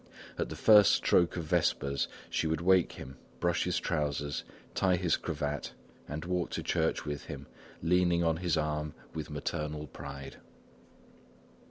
At the first stroke of vespers, she would wake him up, brush his trousers, tie his cravat and walk to church with him, leaning on his arm with maternal pride.